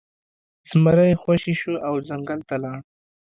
زمری خوشې شو او ځنګل ته لاړ.